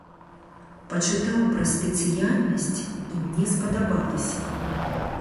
Пачытаў пра спецыяльнасць і мне спадабалася.